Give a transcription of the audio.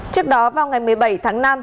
trước đó vào ngày một mươi bốn tháng bảy